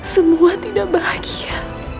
semua tidak bahagia